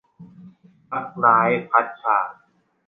รักร้าย - พัดชา